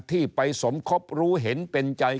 ที่ไปสมคบรู้เห็นเป็นใจ